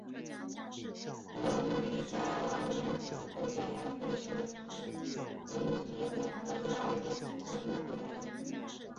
布隆迪国家奥林匹克委员会是布隆迪的国家奥林匹克委员会。